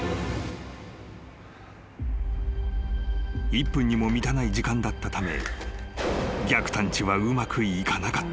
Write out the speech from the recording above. ☎［１分にも満たない時間だったため逆探知はうまくいかなかった］